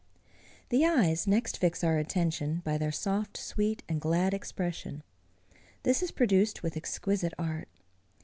The eyes next fix our attention by their soft, sweet, and glad expression. This is produced with exquisite art.